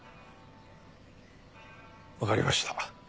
わかりました。